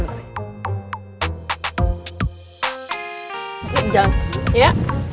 yuk jalan ya